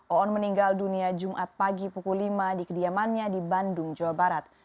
oon meninggal dunia jumat pagi pukul lima di kediamannya di bandung jawa barat